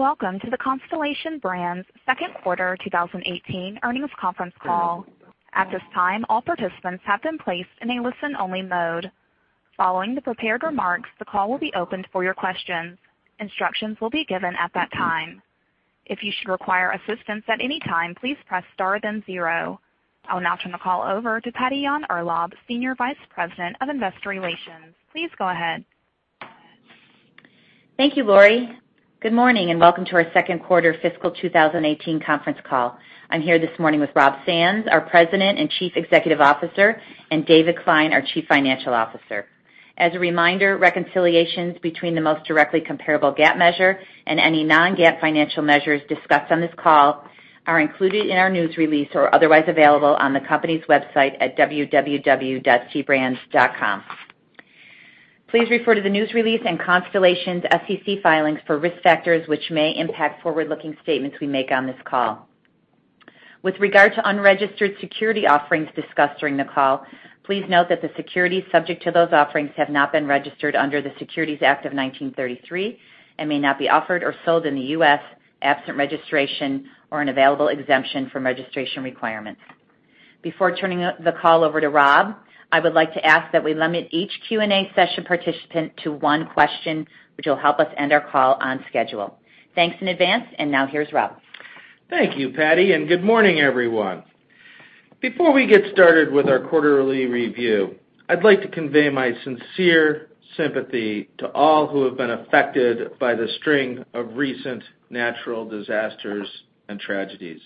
Welcome to the Constellation Brands Second Quarter 2018 Earnings Conference Call. At this time, all participants have been placed in a listen-only mode. Following the prepared remarks, the call will be opened for your questions. Instructions will be given at that time. If you should require assistance at any time, please press star then zero. I'll now turn the call over to Patty Yahn-Urlaub, Senior Vice President of Investor Relations. Please go ahead. Thank you, Lori. Good morning and welcome to our second quarter fiscal 2018 conference call. I'm here this morning with Rob Sands, our President and Chief Executive Officer, and David Klein, our Chief Financial Officer. As a reminder, reconciliations between the most directly comparable GAAP measure and any non-GAAP financial measures discussed on this call are included in our news release or otherwise available on the company's website at www.cbrands.com. Please refer to the news release and Constellation's SEC filings for risk factors which may impact forward-looking statements we make on this call. With regard to unregistered security offerings discussed during the call, please note that the securities subject to those offerings have not been registered under the Securities Act of 1933 and may not be offered or sold in the U.S. absent registration or an available exemption from registration requirements. Before turning the call over to Rob, I would like to ask that we limit each Q&A session participant to one question, which will help us end our call on schedule. Thanks in advance. Now here's Rob. Thank you, Patty. Good morning, everyone. Before we get started with our quarterly review, I'd like to convey my sincere sympathy to all who have been affected by the string of recent natural disasters and tragedies.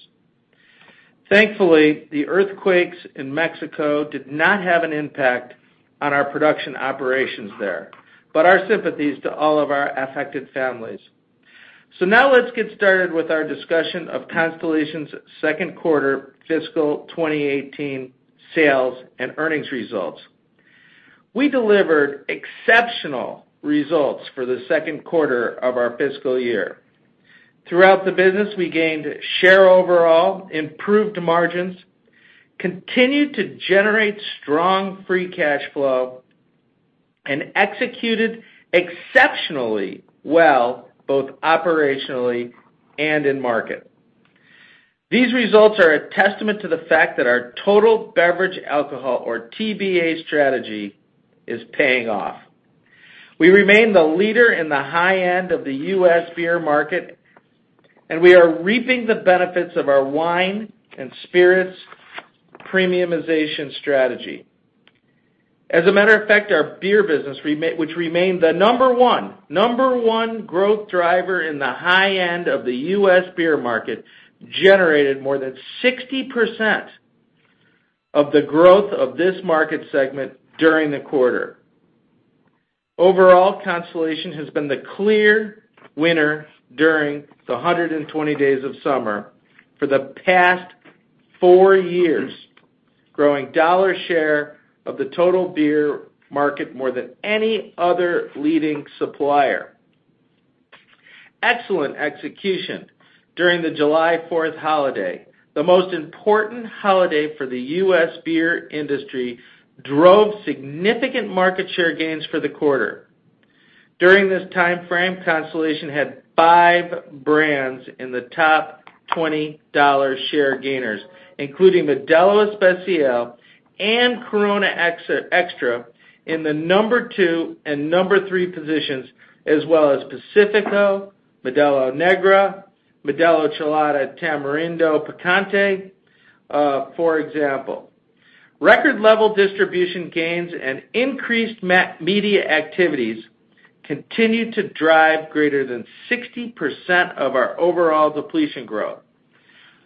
Thankfully, the earthquakes in Mexico did not have an impact on our production operations there. Our sympathies to all of our affected families. Now let's get started with our discussion of Constellation's second quarter fiscal 2018 sales and earnings results. We delivered exceptional results for the second quarter of our fiscal year. Throughout the business, we gained share overall, improved margins, continued to generate strong free cash flow, and executed exceptionally well both operationally and in market. These results are a testament to the fact that our total beverage alcohol, or TBA strategy, is paying off. We remain the leader in the high end of the U.S. beer market, and we are reaping the benefits of our wine and spirits premiumization strategy. As a matter of fact, our beer business, which remained the number one growth driver in the high end of the U.S. beer market, generated more than 60% of the growth of this market segment during the quarter. Overall, Constellation has been the clear winner during the 120 days of summer for the past four years, growing dollar share of the total beer market more than any other leading supplier. Excellent execution during the July 4th holiday, the most important holiday for the U.S. beer industry, drove significant market share gains for the quarter. During this timeframe, Constellation had five brands in the top 20 dollar share gainers, including Modelo Especial and Corona Extra in the number two and number three positions, as well as Pacifico, Modelo Negra, Modelo Chelada Tamarindo Picante, for example. Record level distribution gains and increased media activities continued to drive greater than 60% of our overall depletion growth.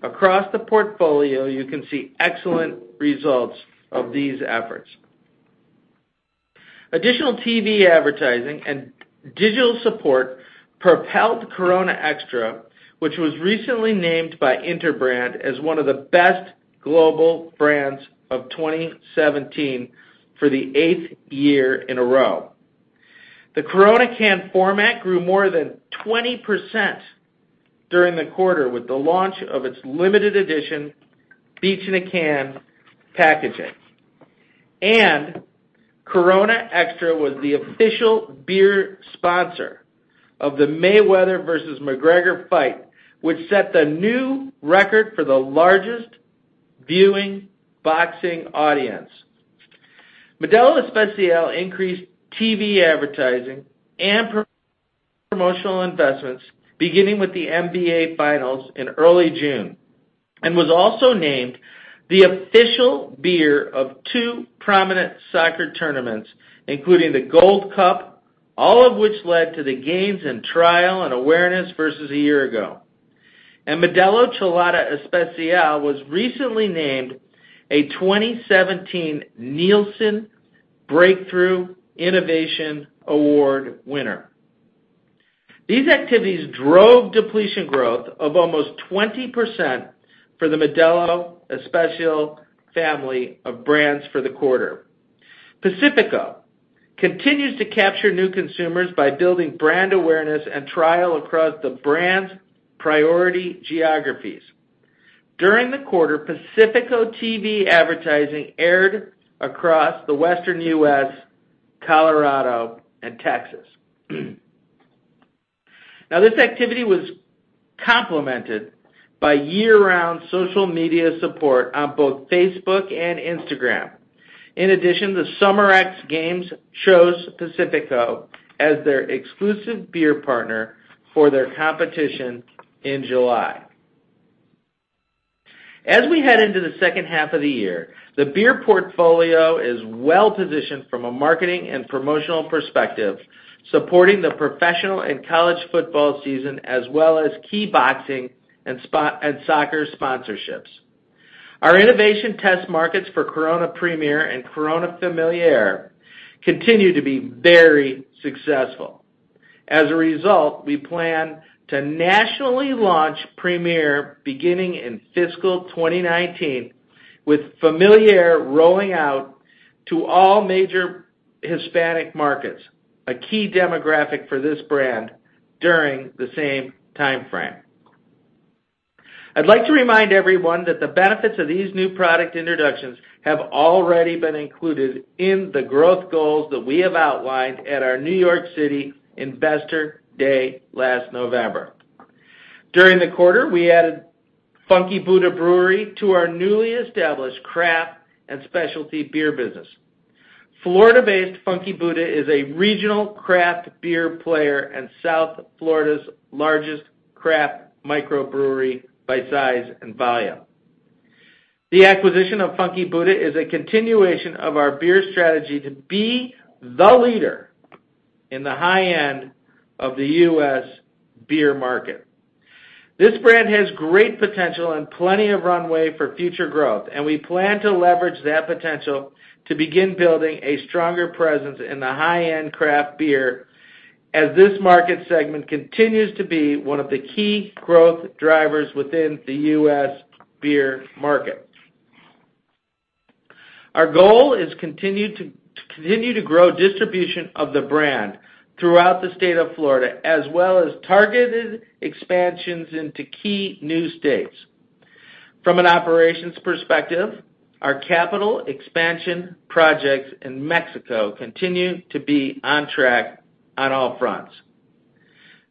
Across the portfolio, you can see excellent results of these efforts. Additional TV advertising and digital support propelled Corona Extra, which was recently named by Interbrand as one of the best global brands of 2017 for the eighth year in a row. The Corona can format grew more than 20% during the quarter with the launch of its limited edition Beach in a Can packaging. Corona Extra was the official beer sponsor of the Mayweather versus McGregor fight, which set the new record for the largest viewing boxing audience. Modelo Especial increased TV advertising and promotional investments beginning with the NBA finals in early June and was also named the official beer of two prominent soccer tournaments, including the Gold Cup, all of which led to the gains in trial and awareness versus a year ago. Modelo Chelada Especial was recently named a 2017 Nielsen Breakthrough Innovation Award winner. These activities drove depletion growth of almost 20% for the Modelo Especial family of brands for the quarter. Pacifico continues to capture new consumers by building brand awareness and trial across the brand's priority geographies. During the quarter, Pacifico TV advertising aired across the Western U.S., Colorado, and Texas. Now, this activity was complemented by year-round social media support on both Facebook and Instagram. In addition, the Summer X Games chose Pacifico as their exclusive beer partner for their competition in July. As we head into the second half of the year, the beer portfolio is well-positioned from a marketing and promotional perspective, supporting the professional and college football season, as well as key boxing and soccer sponsorships. Our innovation test markets for Corona Premier and Corona Familiar continue to be very successful. As a result, we plan to nationally launch Premier beginning in fiscal 2019, with Familiar rolling out to all major Hispanic markets, a key demographic for this brand, during the same timeframe. I'd like to remind everyone that the benefits of these new product introductions have already been included in the growth goals that we have outlined at our New York City Investor Day last November. During the quarter, we added Funky Buddha Brewery to our newly established craft and specialty beer business. Florida-based Funky Buddha is a regional craft beer player and South Florida's largest craft microbrewery by size and volume. The acquisition of Funky Buddha is a continuation of our beer strategy to be the leader in the high end of the U.S. beer market. This brand has great potential and plenty of runway for future growth. We plan to leverage that potential to begin building a stronger presence in the high-end craft beer, as this market segment continues to be one of the key growth drivers within the U.S. beer market. Our goal is to continue to grow distribution of the brand throughout the state of Florida, as well as targeted expansions into key new states. From an operations perspective, our capital expansion projects in Mexico continue to be on track on all fronts.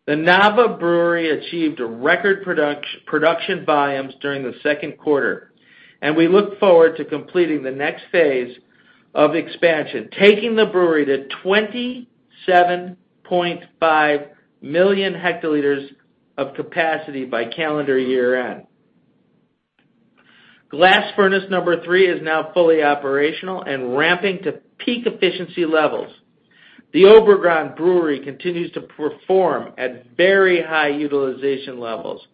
The Nava Brewery achieved record production volumes during the second quarter. We look forward to completing the next phase of expansion, taking the brewery to 27.5 million hectoliters of capacity by calendar year-end. Glass furnace number 3 is now fully operational and ramping to peak efficiency levels. The Obregon Brewery continues to perform at very high utilization levels.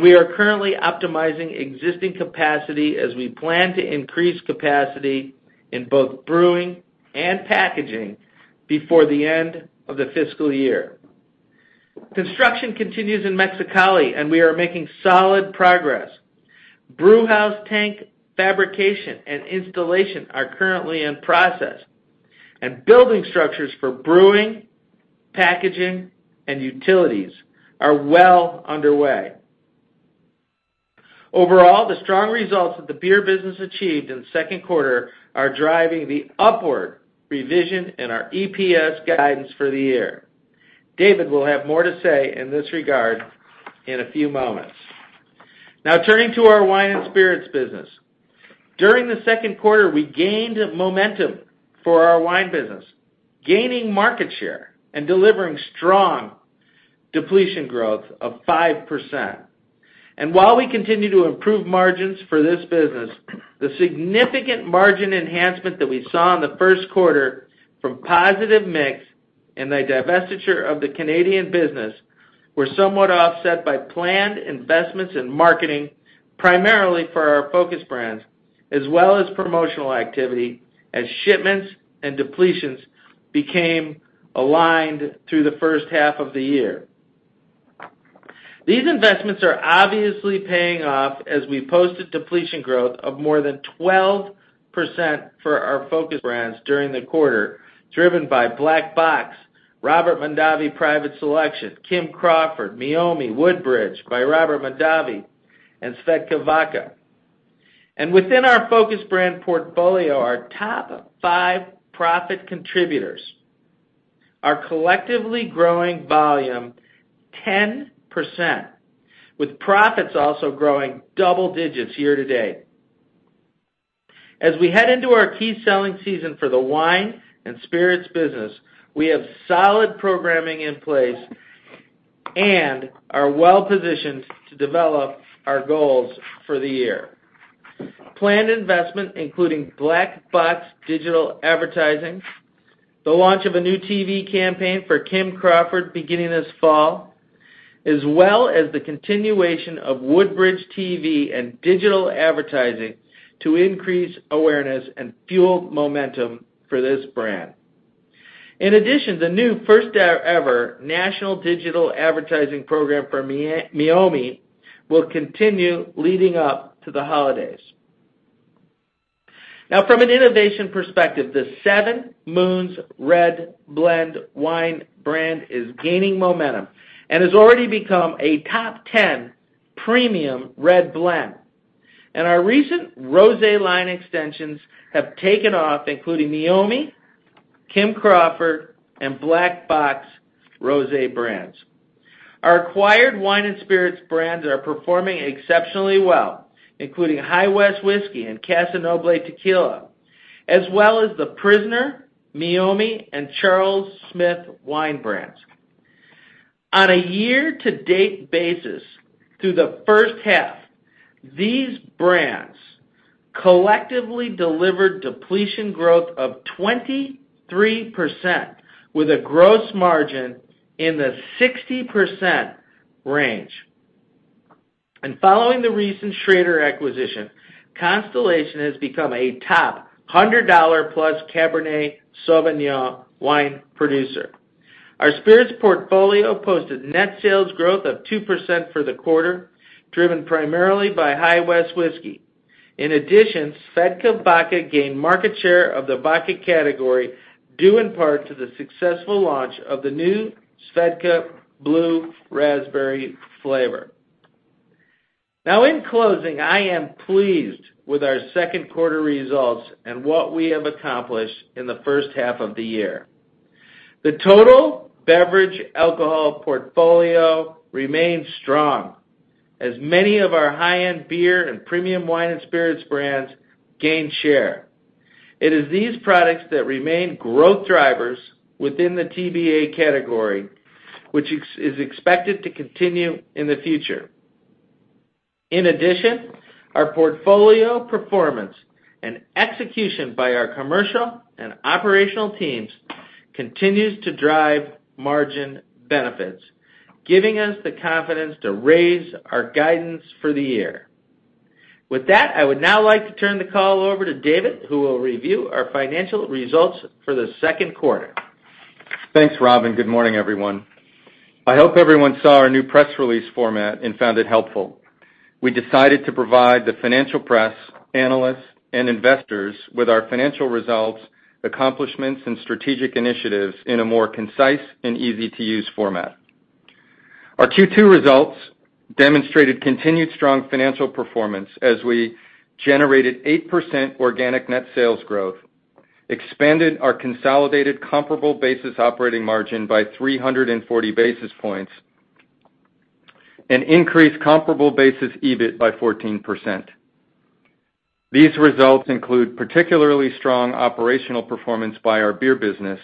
We are currently optimizing existing capacity as we plan to increase capacity in both brewing and packaging before the end of the fiscal year. Construction continues in Mexicali. We are making solid progress. Brewhouse tank fabrication and installation are currently in process, and building structures for brewing, packaging, and utilities are well underway. Overall, the strong results that the beer business achieved in the second quarter are driving the upward revision in our EPS guidance for the year. David will have more to say in this regard in a few moments. Turning to our wine and spirits business. During the second quarter, we gained momentum for our wine business, gaining market share and delivering strong depletion growth of 5%. While we continue to improve margins for this business, the significant margin enhancement that we saw in the first quarter from positive mix and the divestiture of the Canadian business were somewhat offset by planned investments in marketing, primarily for our focus brands, as well as promotional activity as shipments and depletions became aligned through the first half of the year. These investments are obviously paying off as we posted depletion growth of more than 12% for our focus brands during the quarter, driven by Black Box, Robert Mondavi Private Selection, Kim Crawford, Meiomi, Woodbridge by Robert Mondavi, and SVEDKA Vodka. Within our focus brand portfolio, our top 5 profit contributors are collectively growing volume 10%, with profits also growing double digits year to date. As we head into our key selling season for the wine and spirits business, we have solid programming in place and are well-positioned to develop our goals for the year. Planned investment, including Black Box digital advertising, the launch of a new TV campaign for Kim Crawford beginning this fall, as well as the continuation of Woodbridge TV and digital advertising to increase awareness and fuel momentum for this brand. In addition, the new first-ever national digital advertising program for Meiomi will continue leading up to the holidays. From an innovation perspective, the 7 Moons Red Blend wine brand is gaining momentum and has already become a top 10 premium red blend. Our recent rosé line extensions have taken off, including Meiomi, Kim Crawford, and Black Box Wines rosé brands. Our acquired wine and spirits brands are performing exceptionally well, including High West Whiskey and Casamigos Tequila, as well as The Prisoner, Meiomi, and Charles Smith wine brands. On a year-to-date basis through the first half, these brands collectively delivered depletion growth of 23%, with a gross margin in the 60% range. Following the recent Schrader acquisition, Constellation has become a top hundred-dollar-plus Cabernet Sauvignon wine producer. Our spirits portfolio posted net sales growth of 2% for the quarter, driven primarily by High West Whiskey. In addition, SVEDKA Vodka gained market share of the vodka category, due in part to the successful launch of the new SVEDKA Blue Raspberry flavor. In closing, I am pleased with our second quarter results and what we have accomplished in the first half of the year. The total beverage alcohol portfolio remains strong, as many of our high-end beer and premium wine and spirits brands gain share. It is these products that remain growth drivers within the TBA category, which is expected to continue in the future. In addition, our portfolio performance and execution by our commercial and operational teams continues to drive margin benefits, giving us the confidence to raise our guidance for the year. With that, I would now like to turn the call over to David, who will review our financial results for the second quarter. Thanks, Rob, good morning, everyone. I hope everyone saw our new press release format and found it helpful. We decided to provide the financial press, analysts, and investors with our financial results, accomplishments, and strategic initiatives in a more concise and easy-to-use format. Our Q2 results demonstrated continued strong financial performance as we generated 8% organic net sales growth, expanded our consolidated comparable basis operating margin by 340 basis points, and increased comparable basis EBIT by 14%. These results include particularly strong operational performance by our beer business,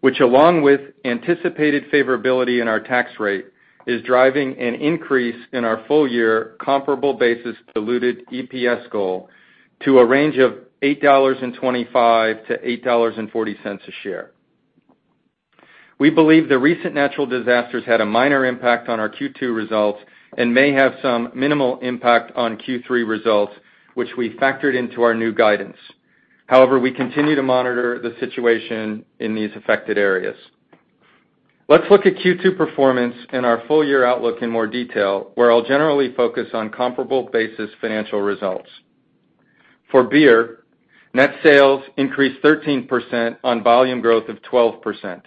which along with anticipated favorability in our tax rate, is driving an increase in our full-year comparable basis diluted EPS goal to a range of $8.25-$8.40 a share. We believe the recent natural disasters had a minor impact on our Q2 results and may have some minimal impact on Q3 results, which we factored into our new guidance. We continue to monitor the situation in these affected areas. Let's look at Q2 performance and our full-year outlook in more detail, where I'll generally focus on comparable basis financial results. For beer, net sales increased 13% on volume growth of 12%.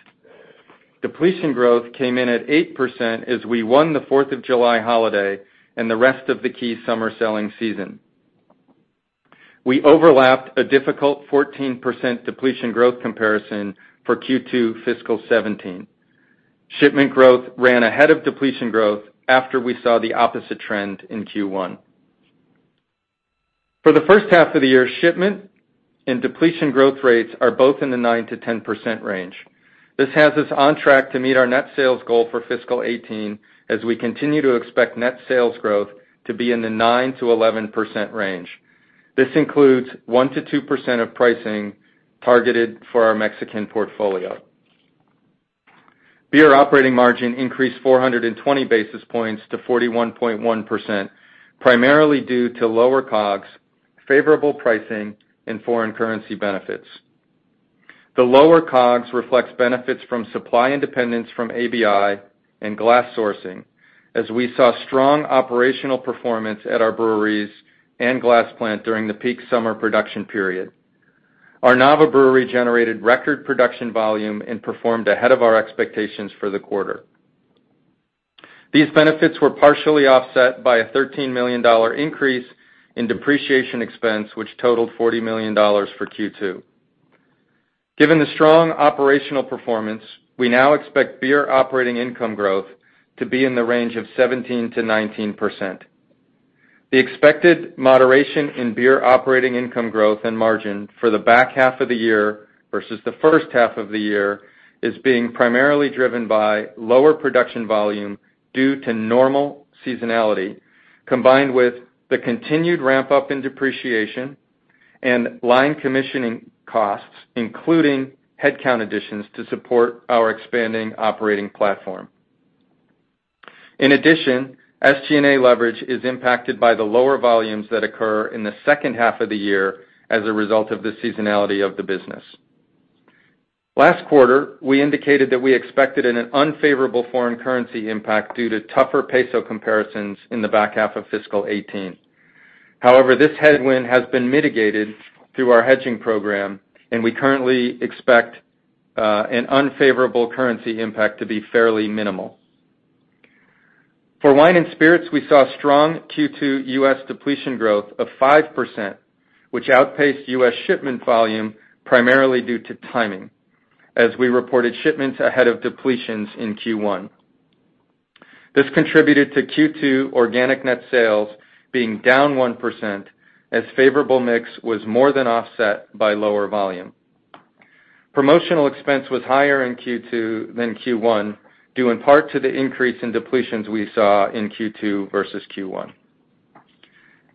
Depletion growth came in at 8% as we won the Fourth of July holiday and the rest of the key summer selling season. We overlapped a difficult 14% depletion growth comparison for Q2 fiscal 2017. Shipment growth ran ahead of depletion growth after we saw the opposite trend in Q1. For the first half of the year, shipment and depletion growth rates are both in the 9%-10% range. This has us on track to meet our net sales goal for fiscal 2018, as we continue to expect net sales growth to be in the 9%-11% range. This includes 1%-2% of pricing targeted for our Mexican portfolio. Beer operating margin increased 420 basis points to 41.1%, primarily due to lower COGS, favorable pricing, and foreign currency benefits. The lower COGS reflects benefits from supply independence from ABI and glass sourcing, as we saw strong operational performance at our breweries and glass plant during the peak summer production period. Our Nava Brewery generated record production volume and performed ahead of our expectations for the quarter. These benefits were partially offset by a $13 million increase in depreciation expense, which totaled $40 million for Q2. Given the strong operational performance, we now expect beer operating income growth to be in the range of 17%-19%. The expected moderation in beer operating income growth and margin for the back half of the year versus the first half of the year is being primarily driven by lower production volume due to normal seasonality, combined with the continued ramp-up in depreciation and line commissioning costs, including headcount additions to support our expanding operating platform. In addition, SG&A leverage is impacted by the lower volumes that occur in the second half of the year as a result of the seasonality of the business. Last quarter, we indicated that we expected an unfavorable foreign currency impact due to tougher peso comparisons in the back half of fiscal 2018. This headwind has been mitigated through our hedging program, and we currently expect an unfavorable currency impact to be fairly minimal. For wine and spirits, we saw strong Q2 U.S. depletion growth of 5%, which outpaced U.S. shipment volume primarily due to timing, as we reported shipments ahead of depletions in Q1. This contributed to Q2 organic net sales being down 1%, as favorable mix was more than offset by lower volume. Promotional expense was higher in Q2 than Q1, due in part to the increase in depletions we saw in Q2 versus Q1.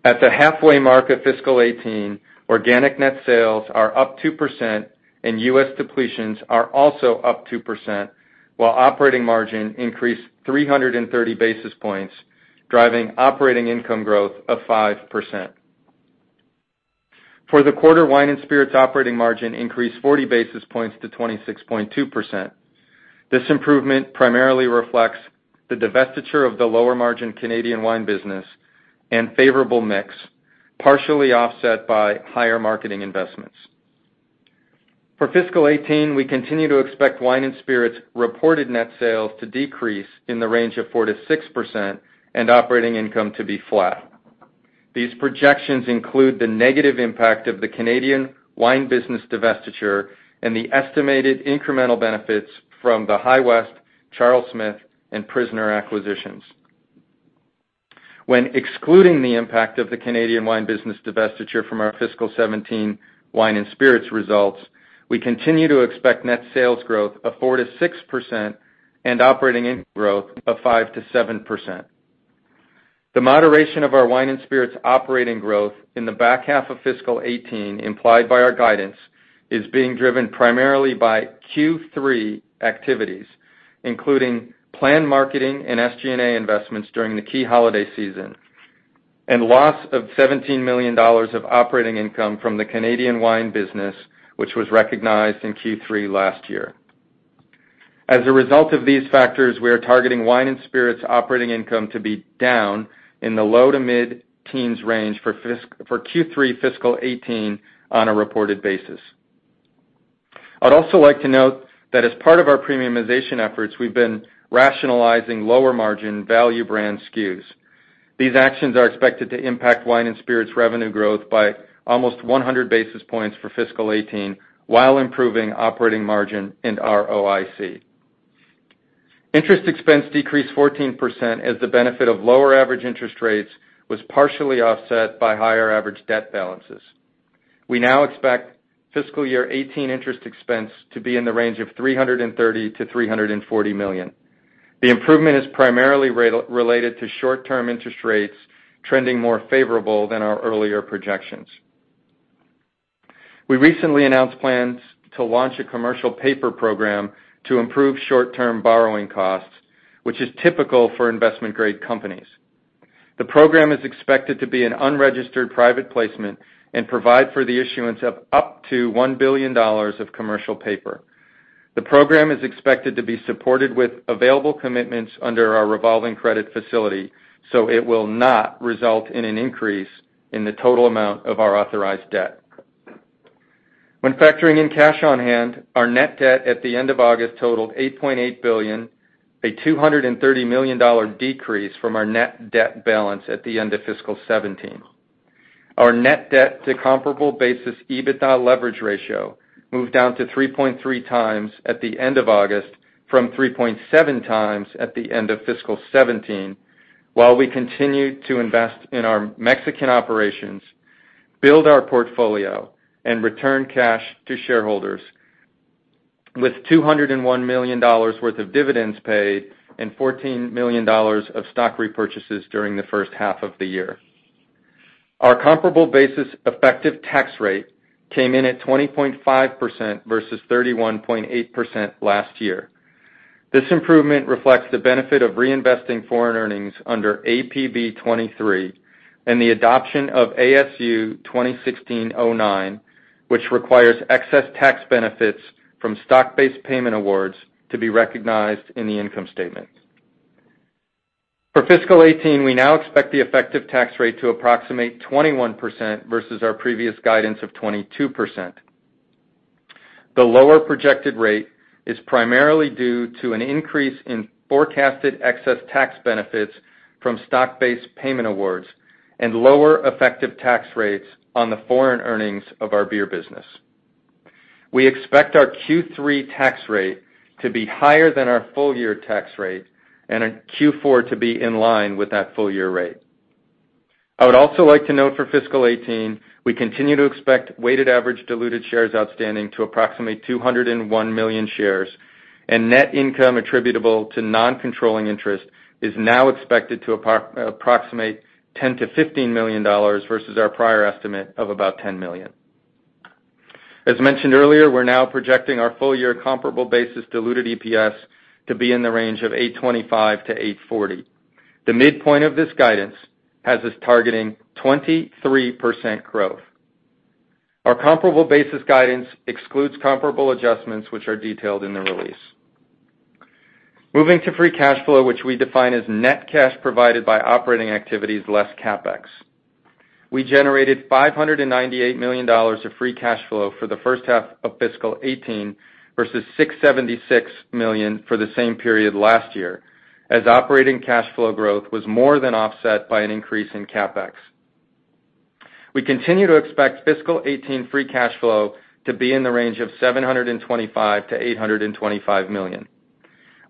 At the halfway mark of fiscal 2018, organic net sales are up 2% and U.S. depletions are also up 2%, while operating margin increased 330 basis points, driving operating income growth of 5%. For the quarter, wine and spirits operating margin increased 40 basis points to 26.2%. This improvement primarily reflects the divestiture of the lower margin Canadian wine business and favorable mix, partially offset by higher marketing investments. For fiscal 2018, we continue to expect wine and spirits reported net sales to decrease in the range of 4%-6% and operating income to be flat. These projections include the negative impact of the Canadian wine business divestiture and the estimated incremental benefits from the High West, Charles Smith, and Prisoner acquisitions. When excluding the impact of the Canadian wine business divestiture from our fiscal 2017 wine and spirits results, we continue to expect net sales growth of 4%-6% and operating income growth of 5%-7%. The moderation of our wine and spirits operating growth in the back half of fiscal 2018 implied by our guidance is being driven primarily by Q3 activities, including planned marketing and SG&A investments during the key holiday season, and loss of $17 million of operating income from the Canadian wine business, which was recognized in Q3 last year. As a result of these factors, we are targeting wine and spirits operating income to be down in the low to mid-teens range for Q3 fiscal 2018 on a reported basis. I'd also like to note that as part of our premiumization efforts, we've been rationalizing lower margin value brand SKUs. These actions are expected to impact wine and spirits revenue growth by almost 100 basis points for fiscal 2018, while improving operating margin and ROIC. Interest expense decreased 14% as the benefit of lower average interest rates was partially offset by higher average debt balances. We now expect fiscal year 2018 interest expense to be in the range of $330 million-$340 million. The improvement is primarily related to short-term interest rates trending more favorable than our earlier projections. We recently announced plans to launch a commercial paper program to improve short-term borrowing costs, which is typical for investment-grade companies. The program is expected to be an unregistered private placement and provide for the issuance of up to $1 billion of commercial paper. The program is expected to be supported with available commitments under our revolving credit facility. It will not result in an increase in the total amount of our authorized debt. When factoring in cash on hand, our net debt at the end of August totaled $8.8 billion, a $230 million decrease from our net debt balance at the end of fiscal 2017. Our net debt to comparable basis EBITDA leverage ratio moved down to 3.3 times at the end of August from 3.7 times at the end of fiscal 2017, while we continued to invest in our Mexican operations, build our portfolio and return cash to shareholders with $201 million worth of dividends paid and $14 million of stock repurchases during the first half of the year. Our comparable basis effective tax rate came in at 20.5% versus 31.8% last year. This improvement reflects the benefit of reinvesting foreign earnings under APB 23 and the adoption of ASU 2016-09, which requires excess tax benefits from stock-based payment awards to be recognized in the income statement. For fiscal 2018, we now expect the effective tax rate to approximate 21% versus our previous guidance of 22%. The lower projected rate is primarily due to an increase in forecasted excess tax benefits from stock-based payment awards and lower effective tax rates on the foreign earnings of our beer business. We expect our Q3 tax rate to be higher than our full year tax rate and our Q4 to be in line with that full year rate. I would also like to note for fiscal 2018, we continue to expect weighted average diluted shares outstanding to approximate 201 million shares, and net income attributable to non-controlling interest is now expected to approximate $10 million-$15 million versus our prior estimate of about $10 million. As mentioned earlier, we're now projecting our full year comparable basis diluted EPS to be in the range of $8.25-$8.40. The midpoint of this guidance has us targeting 23% growth. Our comparable basis guidance excludes comparable adjustments, which are detailed in the release. Moving to free cash flow, which we define as net cash provided by operating activities, less CapEx. We generated $598 million of free cash flow for the first half of fiscal 2018, versus $676 million for the same period last year, as operating cash flow growth was more than offset by an increase in CapEx. We continue to expect fiscal 2018 free cash flow to be in the range of $725 million-$825 million.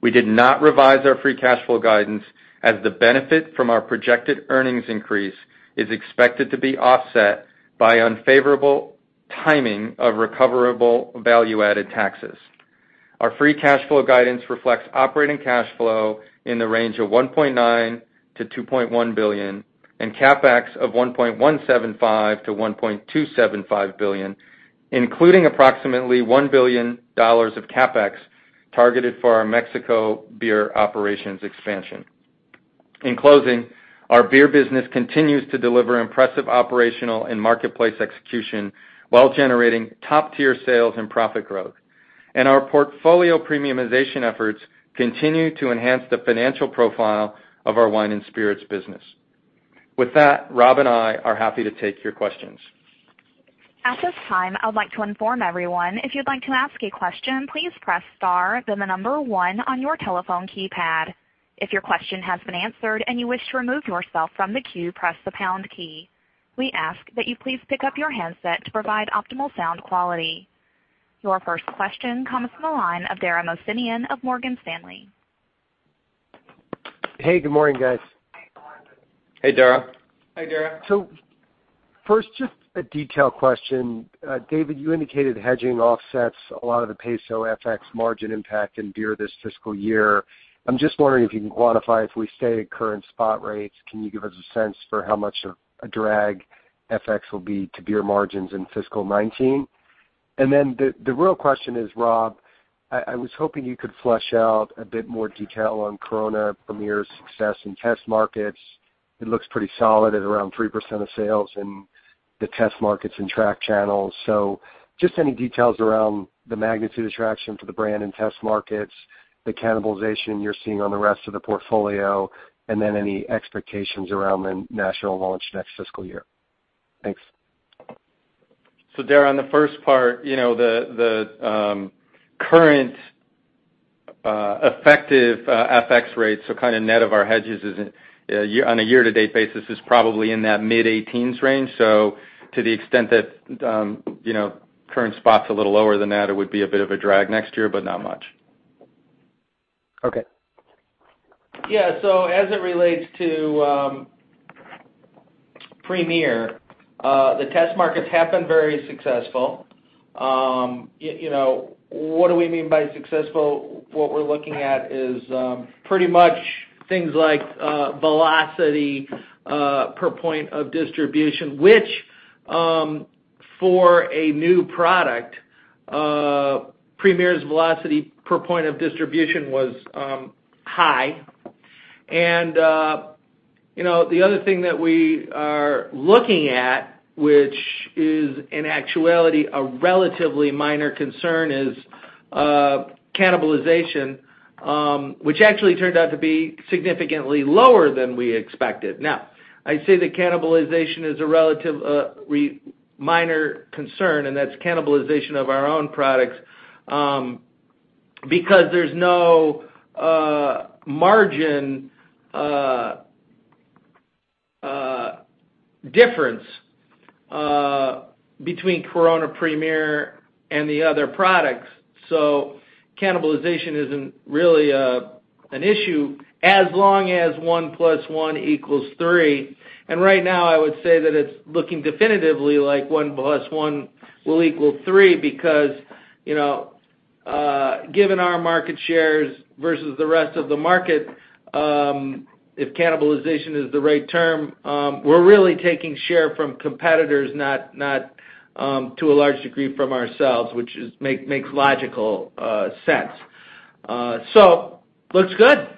We did not revise our free cash flow guidance as the benefit from our projected earnings increase is expected to be offset by unfavorable timing of recoverable value-added taxes. Our free cash flow guidance reflects operating cash flow in the range of $1.9 billion-$2.1 billion, and CapEx of $1.175 billion-$1.275 billion, including approximately $1 billion of CapEx targeted for our Mexico beer operations expansion. In closing, our beer business continues to deliver impressive operational and marketplace execution, while generating top-tier sales and profit growth. Our portfolio premiumization efforts continue to enhance the financial profile of our wine and spirits business. With that, Rob and I are happy to take your questions. At this time, I would like to inform everyone, if you'd like to ask a question, please press star, then number 1 on your telephone keypad. If your question has been answered and you wish to remove yourself from the queue, press the pound key. We ask that you please pick up your handset to provide optimal sound quality. Your first question comes from the line of Dara Mohsenian of Morgan Stanley. Hey, good morning, guys. Hey, Dara. Hi, Dara. First, just a detail question. David, you indicated hedging offsets a lot of the peso FX margin impact in beer this fiscal year. I'm just wondering if you can quantify, if we stay at current spot rates, can you give us a sense for how much a drag FX will be to beer margins in fiscal 2019? The real question is, Rob, I was hoping you could flesh out a bit more detail on Corona Premier's success in test markets. It looks pretty solid at around 3% of sales in the test markets and track channels. Just any details around the magnitude attraction for the brand and test markets, the cannibalization you're seeing on the rest of the portfolio, and any expectations around the national launch next fiscal year. Thanks. Dara, on the first part, the current effective FX rates, kind of net of our hedges on a year-to-date basis is probably in that mid-18s range. To the extent that current spot's a little lower than that, it would be a bit of a drag next year, but not much. Okay. Yeah. As it relates to Corona Premier, the test markets have been very successful. What do we mean by successful? What we're looking at is pretty much things like velocity per point of distribution, which, for a new product, Corona Premier's velocity per point of distribution was high. The other thing that we are looking at, which is in actuality a relatively minor concern, is cannibalization, which actually turned out to be significantly lower than we expected. I say that cannibalization is a relatively minor concern, and that's cannibalization of our own products, because there's no margin difference between Corona Premier and the other products. Cannibalization isn't really an issue as long as one plus one equals three. Right now, I would say that it's looking definitively like one plus one will equal three because, given our market shares versus the rest of the market, if cannibalization is the right term, we're really taking share from competitors, not to a large degree from ourselves, which makes logical sense. Looks good.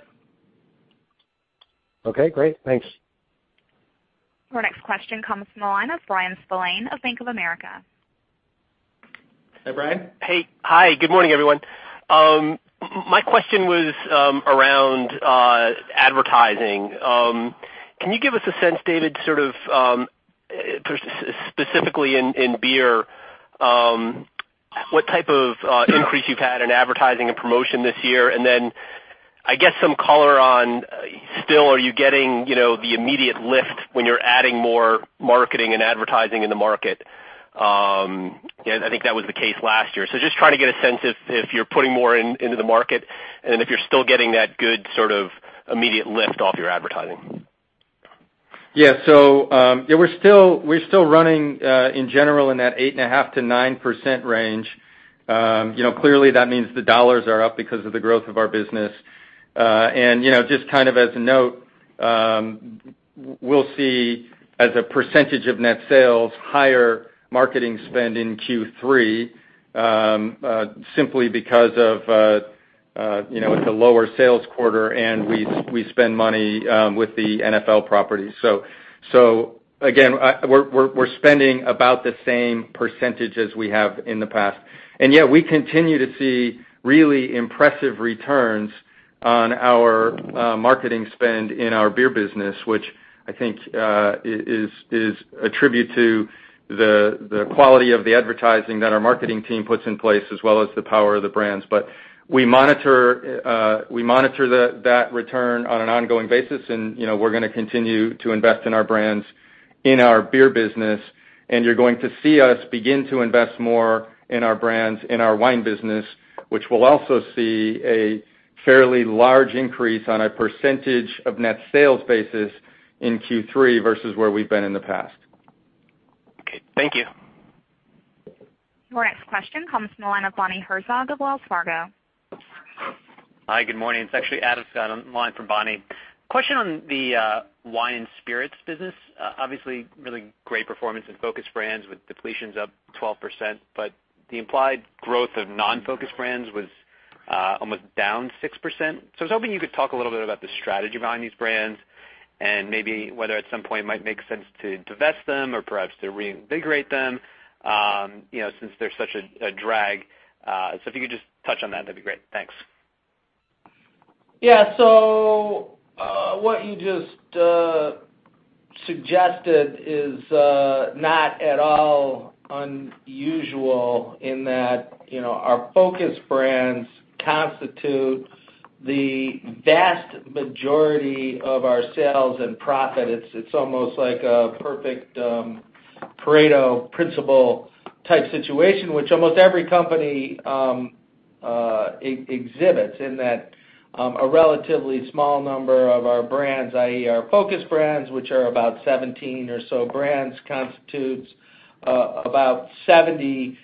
Okay, great. Thanks. Our next question comes from the line of Bryan Spillane of Bank of America. Hey, Bryan. Hey. Hi, good morning, everyone. My question was around advertising. Can you give us a sense, David, specifically in beer, what type of increase you've had in advertising and promotion this year? I guess some color on, still are you getting the immediate lift when you're adding more marketing and advertising in the market? I think that was the case last year. Just trying to get a sense if you're putting more into the market, and if you're still getting that good sort of immediate lift off your advertising. Yeah. We're still running, in general, in that 8.5%-9% range. Clearly that means the dollars are up because of the growth of our business. Just kind of as a note We'll see, as a percentage of net sales, higher marketing spend in Q3, simply because of the lower sales quarter, and we spend money with the NFL property. Again, we're spending about the same percentage as we have in the past. Yet we continue to see really impressive returns on our marketing spend in our beer business, which I think is a tribute to the quality of the advertising that our marketing team puts in place as well as the power of the brands. We monitor that return on an ongoing basis, and we're going to continue to invest in our brands in our beer business, and you're going to see us begin to invest more in our brands in our wine business, which will also see a fairly large increase on a percentage of net sales basis in Q3 versus where we've been in the past. Okay, thank you. Your next question comes from the line of Bonnie Herzog of Wells Fargo. Hi, good morning. It's actually Adam Scott on the line for Bonnie. Question on the wine and spirits business. Obviously, really great performance in focus brands with depletions up 12%, but the implied growth of non-focus brands was almost down 6%. I was hoping you could talk a little bit about the strategy behind these brands and maybe whether at some point it might make sense to divest them or perhaps to reinvigorate them, since they're such a drag. If you could just touch on that'd be great. Thanks. Yeah. What you just suggested is not at all unusual in that our focus brands constitute the vast majority of our sales and profit. It's almost like a perfect Pareto principle type situation, which almost every company exhibits in that a relatively small number of our brands, i.e., our focus brands, which are about 17 or so brands, constitutes about 70%-80%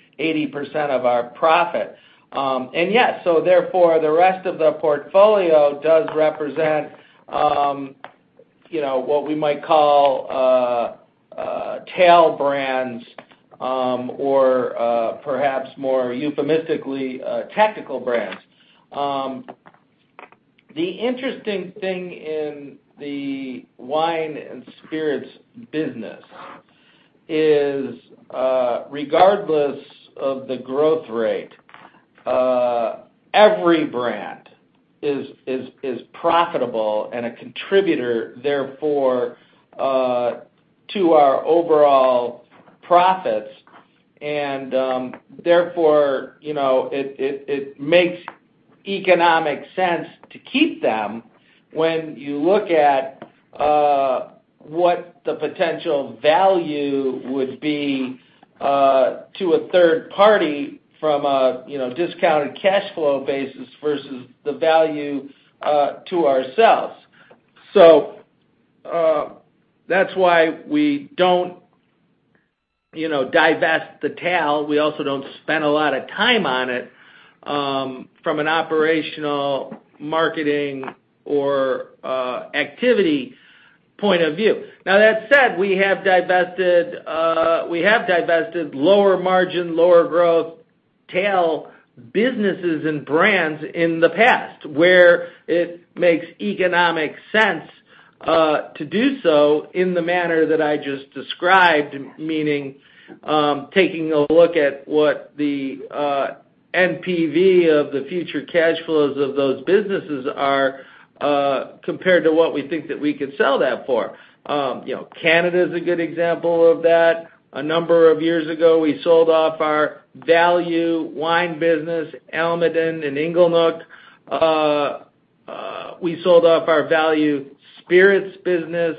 of our profit. Yeah, therefore the rest of the portfolio does represent what we might call tail brands, or perhaps more euphemistically, tactical brands. The interesting thing in the wine and spirits business is, regardless of the growth rate, every brand is profitable and a contributor, therefore, to our overall profits. Therefore, it makes economic sense to keep them when you look at what the potential value would be to a third party from a discounted cash flow basis versus the value to ourselves. That's why we don't divest the tail. We also don't spend a lot of time on it from an operational, marketing, or activity point of view. That said, we have divested lower margin, lower growth tail businesses and brands in the past where it makes economic sense to do so in the manner that I just described, meaning, taking a look at what the NPV of the future cash flows of those businesses are compared to what we think that we could sell that for. Canada's a good example of that. A number of years ago, we sold off our value wine business, Almaden and Inglenook. We sold off our value spirits business.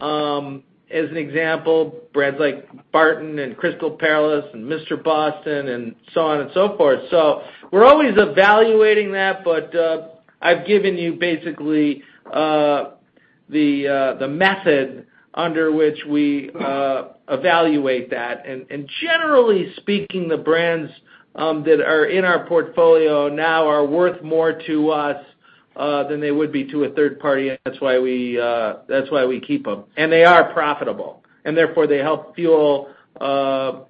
As an example, brands like Barton and Crystal Palace and Mr. Boston and so on and so forth. We're always evaluating that, but I've given you basically the method under which we evaluate that. Generally speaking, the brands that are in our portfolio now are worth more to us than they would be to a third party, and that's why we keep them. They are profitable, and therefore they help fuel the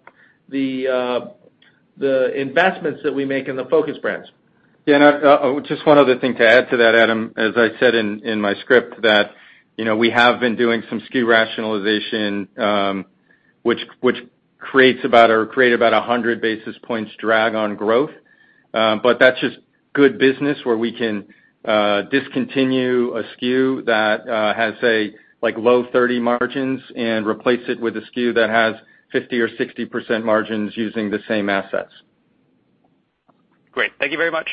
investments that we make in the focus brands. Just one other thing to add to that, Adam, as I said in my script that we have been doing some SKU rationalization, which create about 100 basis points drag on growth. That's just good business where we can discontinue a SKU that has, say, low 30% margins and replace it with a SKU that has 50% or 60% margins using the same assets. Great. Thank you very much.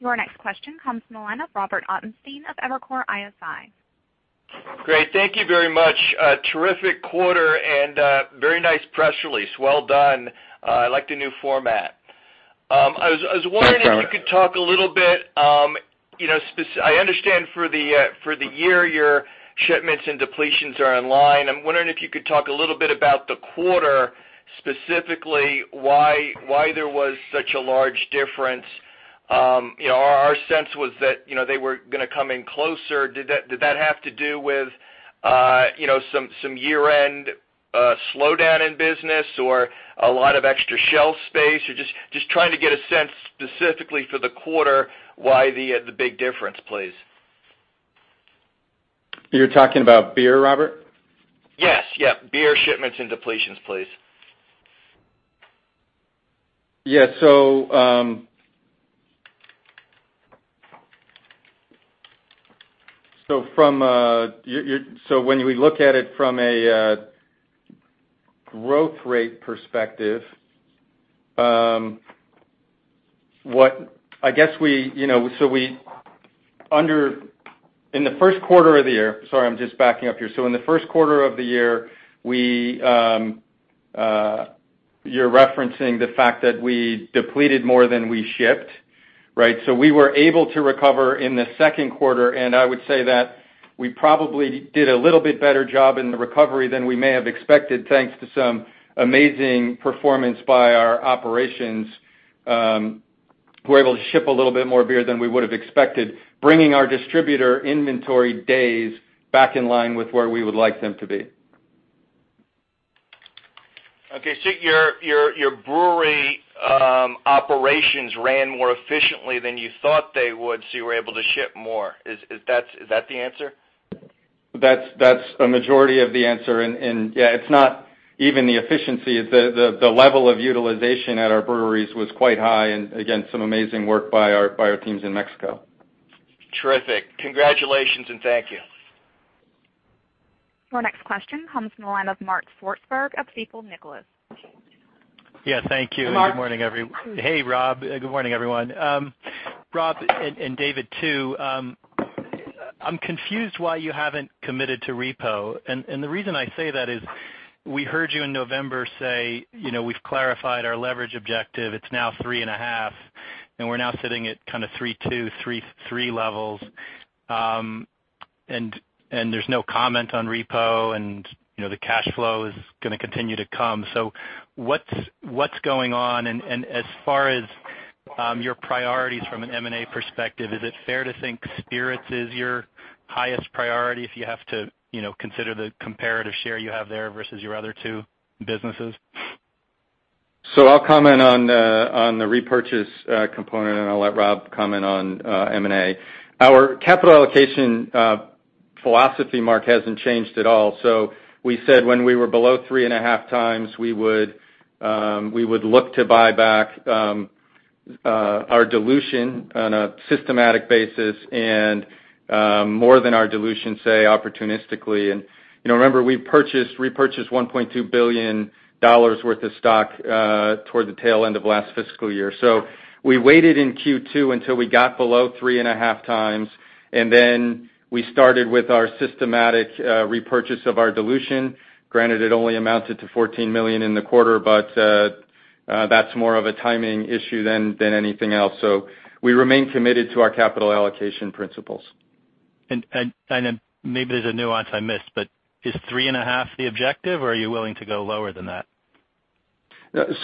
Your next question comes from the line of Robert Ottenstein of Evercore ISI. Great. Thank you very much. A terrific quarter and a very nice press release. Well done. I like the new format. I was wondering. Thanks, Robert If you could talk a little bit, I understand for the year your shipments and depletions are in line. I'm wondering if you could talk a little bit about the quarter, specifically why there was such a large difference. Our sense was that they were going to come in closer. Did that have to do with some year-end slowdown in business or a lot of extra shelf space? Just trying to get a sense, specifically for the quarter, why the big difference, please. You're talking about beer, Robert? Yes. Beer shipments and depletions, please. When we look at it from a growth rate perspective, in the first quarter of the year. Sorry, I'm just backing up here. In the first quarter of the year, you're referencing the fact that we depleted more than we shipped, right? We were able to recover in the second quarter, I would say that we probably did a little bit better job in the recovery than we may have expected, thanks to some amazing performance by our operations. We're able to ship a little bit more beer than we would've expected, bringing our distributor inventory days back in line with where we would like them to be. Okay. Your brewery operations ran more efficiently than you thought they would, so you were able to ship more. Is that the answer? That's a majority of the answer. Yeah, it's not even the efficiency. The level of utilization at our breweries was quite high, and again, some amazing work by our teams in Mexico. Terrific. Congratulations, and thank you. Your next question comes from the line of Mark Swartzberg of Stifel, Nicolaus. Yeah, thank you. Mark. Hey, Rob. Good morning, everyone. Rob, and David too. I'm confused why you haven't committed to repo. The reason I say that is we heard you in November say, "We've clarified our leverage objective. It's now 3.5," and we're now sitting at kind of 3.2, 3.3 levels. There's no comment on repo, and the cash flow is going to continue to come. What's going on? As far as your priorities from an M&A perspective, is it fair to think spirits is your highest priority if you have to consider the comparative share you have there versus your other two businesses? I'll comment on the repurchase component, and I'll let Rob comment on M&A. Our capital allocation philosophy, Mark, hasn't changed at all. We said when we were below 3.5 times, we would look to buy back our dilution on a systematic basis, and more than our dilution, say, opportunistically. Remember, we repurchased $1.2 billion worth of stock toward the tail end of last fiscal year. We waited in Q2 until we got below 3.5 times, and then we started with our systematic repurchase of our dilution. Granted, it only amounted to $14 million in the quarter, but that's more of a timing issue than anything else. We remain committed to our capital allocation principles. Maybe there's a nuance I missed, but is 3.5 the objective, or are you willing to go lower than that?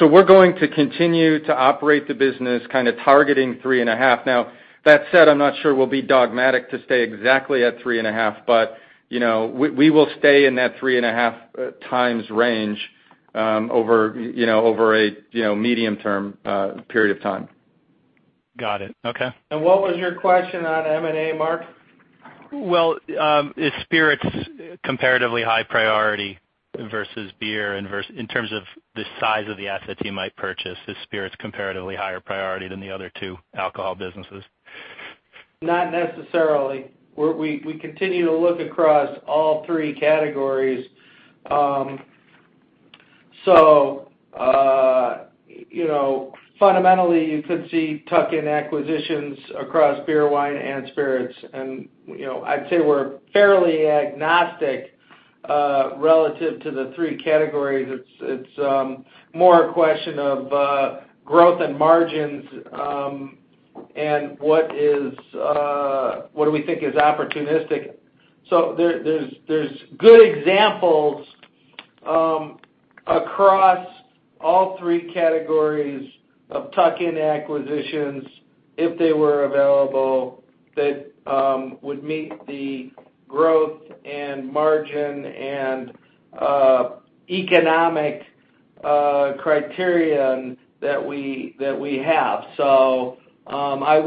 We're going to continue to operate the business, kind of targeting 3.5. Now that said, I'm not sure we'll be dogmatic to stay exactly at 3.5, but we will stay in that 3.5 times range over a medium-term period of time. Got it. Okay. What was your question on M&A, Mark? Is spirits comparatively high priority versus beer in terms of the size of the asset you might purchase? Is spirits comparatively higher priority than the other two alcohol businesses? Not necessarily. We continue to look across all three categories. Fundamentally, you could see tuck-in acquisitions across beer, wine, and spirits. I'd say we're fairly agnostic relative to the three categories. It's more a question of growth and margins, and what do we think is opportunistic. There's good examples across all three categories of tuck-in acquisitions, if they were available, that would meet the growth and margin and economic criterion that we have. I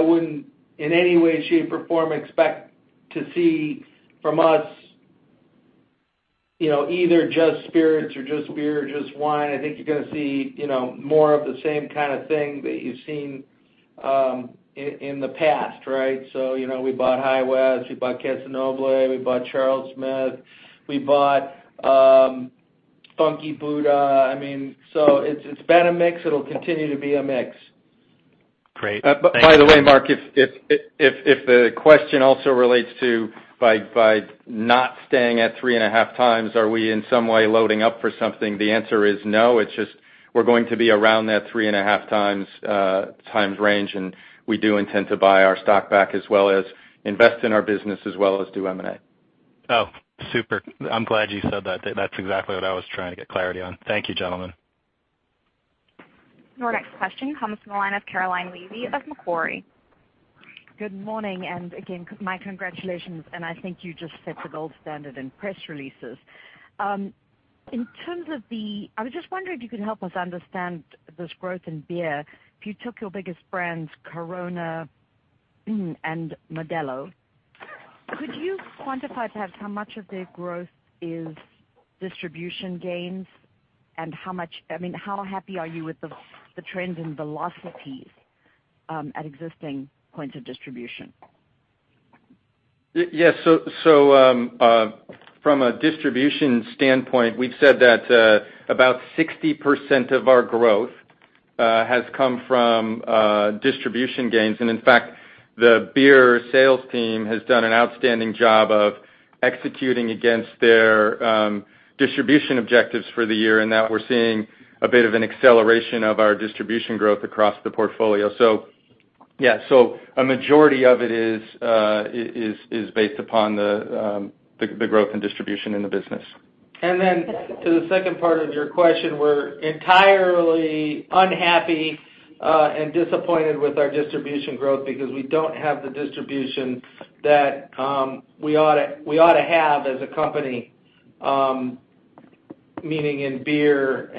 wouldn't, in any way, shape, or form, expect to see from us either just spirits or just beer or just wine. I think you're going to see more of the same kind of thing that you've seen in the past, right? We bought High West, we bought Casa Noble, we bought Charles Smith, we bought Funky Buddha. It's been a mix. It'll continue to be a mix. Great. Thanks. By the way, Mark, if the question also relates to by not staying at three and a half times, are we in some way loading up for something? The answer is no. It's just, we're going to be around that three and a half times range, and we do intend to buy our stock back, as well as invest in our business, as well as do M&A. Oh, super. I'm glad you said that. That's exactly what I was trying to get clarity on. Thank you, gentlemen. Your next question comes from the line of Caroline Levy of Macquarie. Good morning. Again, my congratulations. I think you just set the gold standard in press releases. I was just wondering if you could help us understand this growth in beer. If you took your biggest brands, Corona and Modelo, could you quantify perhaps how much of their growth is distribution gains? How happy are you with the trends in velocities at existing points of distribution? Yes. From a distribution standpoint, we've said that about 60% of our growth has come from distribution gains. In fact, the beer sales team has done an outstanding job of executing against their distribution objectives for the year. We're seeing a bit of an acceleration of our distribution growth across the portfolio. Yes, a majority of it is based upon the growth and distribution in the business. To the second part of your question, we're entirely unhappy and disappointed with our distribution growth because we don't have the distribution that we ought to have as a company, meaning in beer,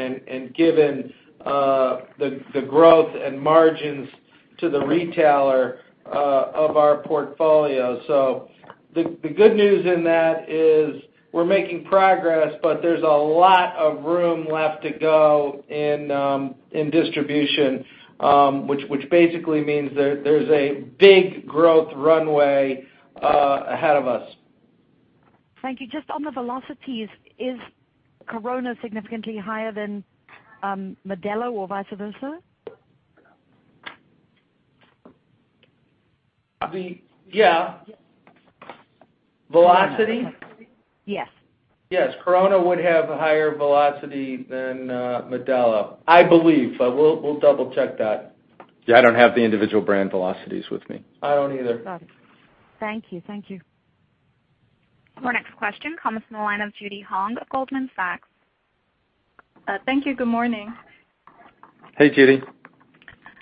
given the growth and margins to the retailer of our portfolio. The good news in that is we're making progress, but there's a lot of room left to go in distribution, which basically means there's a big growth runway ahead of us. Thank you. Just on the velocities, is Corona significantly higher than Modelo or vice versa? Yeah. Velocity? Yes. Yes. Corona would have a higher velocity than Modelo, I believe. We'll double-check that. Yeah, I don't have the individual brand velocities with me. I don't either. Got it. Thank you. Our next question comes from the line of Judy Hong of Goldman Sachs. Thank you. Good morning. Hey, Judy.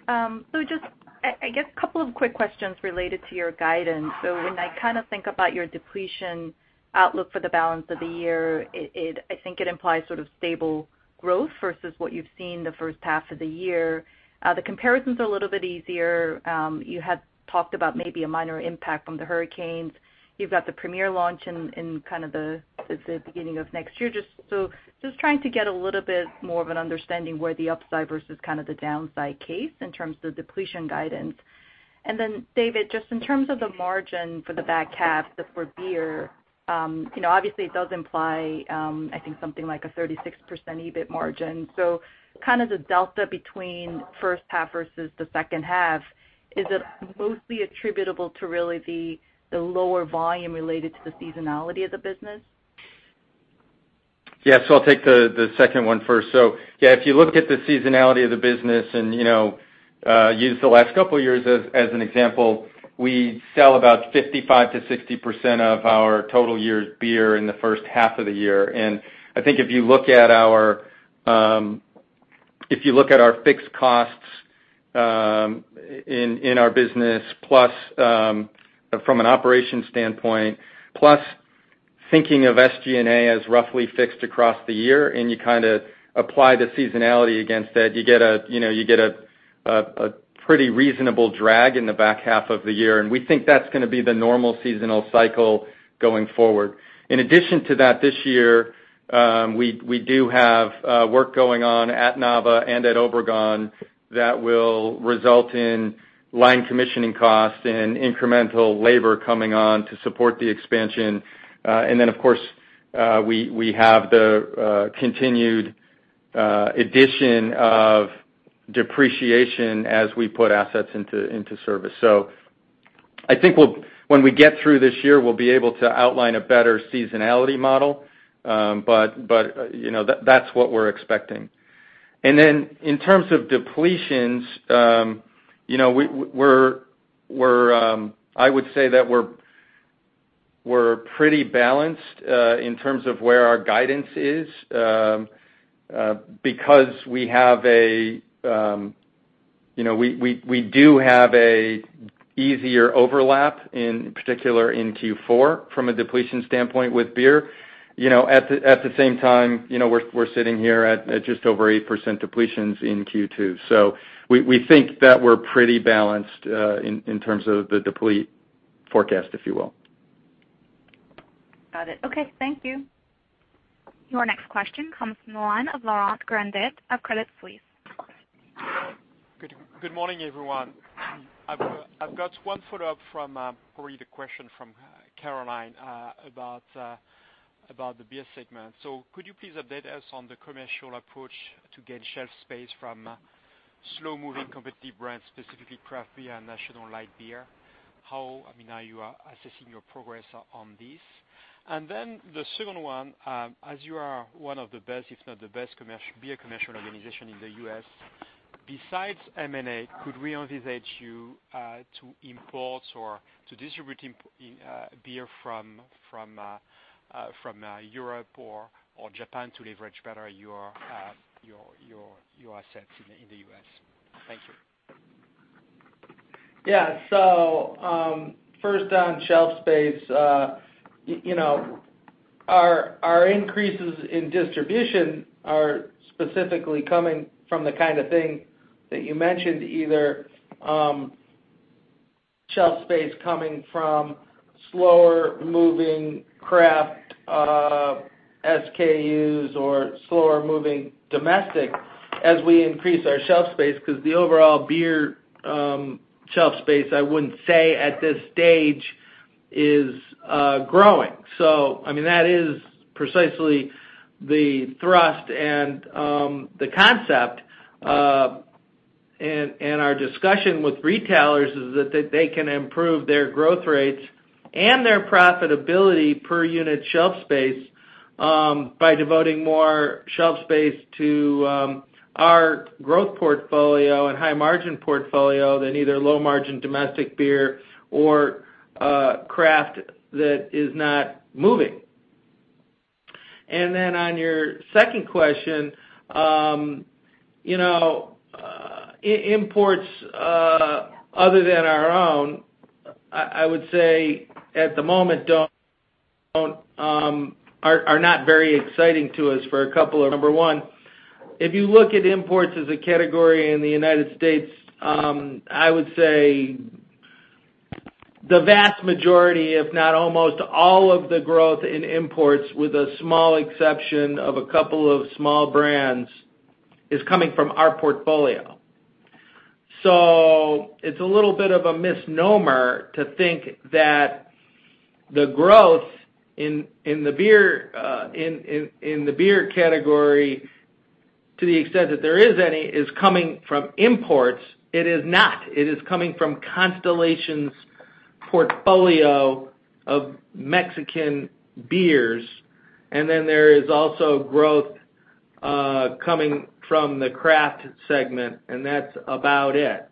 Just, I guess, a couple of quick questions related to your guidance. When I think about your depletion outlook for the balance of the year, I think it implies sort of stable growth versus what you've seen the first half of the year. The comparison's a little bit easier. You had talked about maybe a minor impact from the hurricanes. You've got the Corona Premier launch in kind of the beginning of next year. Just trying to get a little bit more of an understanding where the upside versus kind of the downside case is in terms of depletion guidance. David, just in terms of the margin for the back half for beer, obviously it does imply, I think something like a 36% EBIT margin. Kind of the delta between first half versus the second half, is it mostly attributable to really the lower volume related to the seasonality of the business? Yeah. I'll take the second one first. Yeah, if you look at the seasonality of the business and use the last couple of years as an example, we sell about 55%-60% of our total year's beer in the first half of the year. I think if you look at our fixed costs in our business, plus from an operations standpoint, plus thinking of SG&A as roughly fixed across the year, and you kind of apply the seasonality against that, you get a pretty reasonable drag in the back half of the year. We think that's going to be the normal seasonal cycle going forward. In addition to that, this year, we do have work going on at Nava and at Obregon that will result in line commissioning costs and incremental labor coming on to support the expansion. Of course, we have the continued addition of depreciation as we put assets into service. I think when we get through this year, we'll be able to outline a better seasonality model. That's what we're expecting. In terms of depletions, I would say that we're pretty balanced in terms of where our guidance is because we do have an easier overlap, in particular in Q4, from a depletion standpoint with beer. At the same time, we're sitting here at just over 8% depletions in Q2. We think that we're pretty balanced in terms of the deplete forecast, if you will. Got it. Okay. Thank you. Your next question comes from the line of Laurent Grandet of Credit Suisse. Good morning, everyone. I've got one follow-up from, probably the question from Caroline about the beer segment. Could you please update us on the commercial approach to gain shelf space from slow-moving competitive brands, specifically craft beer and national light beer? How are you assessing your progress on this? The second one, as you are one of the best, if not the best, beer commercial organization in the U.S. Besides M&A, could we envisage you to import or to distribute beer from Europe or Japan to leverage better your assets in the U.S.? Thank you. Yeah. First, on shelf space, our increases in distribution are specifically coming from the kind of thing that you mentioned, either shelf space coming from slower moving craft SKUs or slower moving domestic as we increase our shelf space, because the overall beer shelf space, I wouldn't say at this stage, is growing. That is precisely the thrust and the concept. Our discussion with retailers is that they can improve their growth rates and their profitability per unit shelf space by devoting more shelf space to our growth portfolio and high margin portfolio than either low margin domestic beer or craft that is not moving. On your second question, imports other than our own, I would say at the moment are not very exciting to us for a couple of reasons. Number one, if you look at imports as a category in the U.S., I would say the vast majority, if not almost all of the growth in imports, with a small exception of a couple of small brands, is coming from our portfolio. It's a little bit of a misnomer to think that the growth in the beer category, to the extent that there is any, is coming from imports. It is not. It is coming from Constellation's portfolio of Mexican beers. There is also growth coming from the craft segment, and that's about it.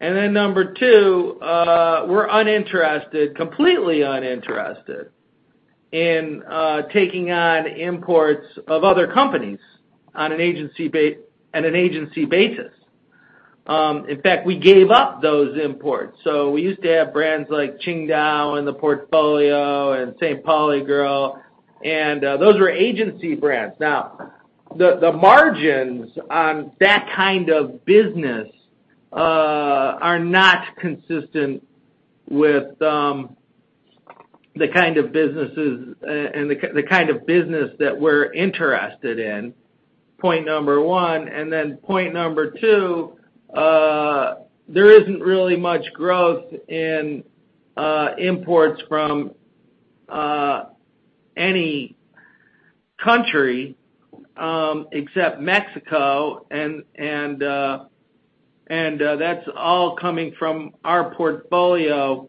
Number two, we're uninterested, completely uninterested, in taking on imports of other companies on an agency basis. In fact, we gave up those imports. We used to have brands like Tsingtao in the portfolio and St. Pauli Girl, and those were agency brands. The margins on that kind of business are not consistent with the kind of business that we're interested in, point number one. Point number two, there isn't really much growth in imports from any country except Mexico, and that's all coming from our portfolio.